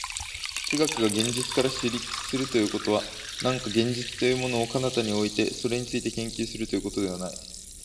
哲学が現実から出立するということは、何か現実というものを彼方に置いて、それについて研究するということではない。